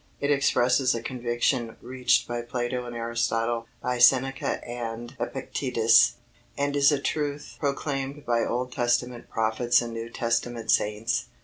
It expresses a conviction reached by Plato and Aristotle, by Seneca and Epictetus, and is a truth proclaimed by Old Testament prophets and New Testament saints.